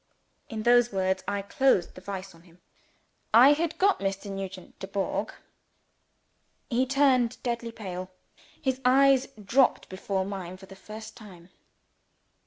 In those words I closed the vice on him. I had got Mr. Nugent Dubourg! He turned deadly pale. His eyes dropped before mine for the first time.